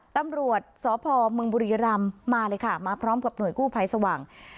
ตำรวจสพมบุรีรำมาเลยค่ะมาพร้อมกับหน่วยกู้ภัยสว่าง